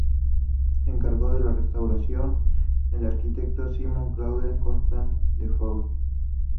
Se encargó de la restauración el arquitecto Simon-Claude Constant-Dufeux.